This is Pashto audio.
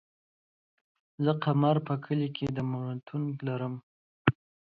زه قمر په کلي کی درملتون لرم